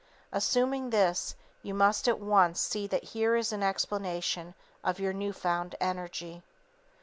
_ Assuming this, you must at once see that here is an explanation of your new found energy.